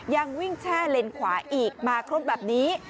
ยังวิ่งแช่เลนขวาอีกมาครบแบบนี้